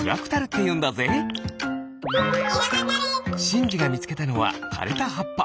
しんじがみつけたのはかれたはっぱ。